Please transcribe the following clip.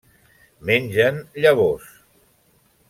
Mengen llavors.